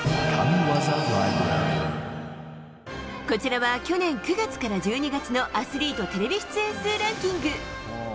こちらは去年９月から１２月のアスリートテレビ出演数ランキング。